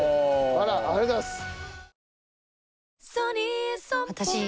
あらありがとうございます。